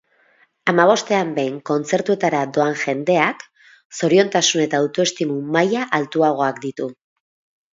Hamabostean behin kontzertuetara doan jendeak zoriontasun eta autoestimu maila altuagoak ditu